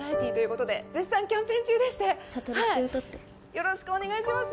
よろしくお願いします。